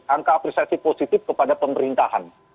angka apresiasi positif kepada pemerintahan